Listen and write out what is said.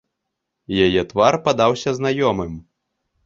Яе твар падаўся знаёмым.